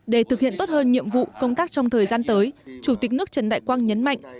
để thực hiện tốt hơn nhiệm vụ công tác trong thời gian tới chủ tịch nước trần đại quang nhấn mạnh